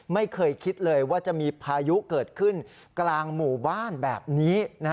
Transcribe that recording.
ไม่เคยคิดเลยว่าจะมีพายุเกิดขึ้นกลางหมู่บ้านแบบนี้